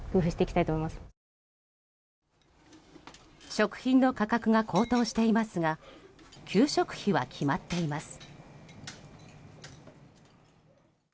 食品の価格が高騰していますが給食費は決まっています。